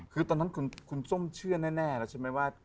คือตอนนั้นคุณส้มเชื่อแน่แล้วใช่ไหมว่า